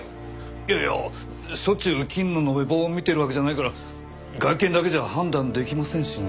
いやしょっちゅう金の延べ棒を見ているわけじゃないから外見だけじゃ判断できませんしね。